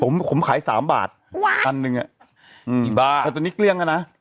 ผมผมขายสามบาทพันหนึ่งอ่ะอืมกี่บาทแต่ตอนนี้เกลี้ยงอ่ะนะ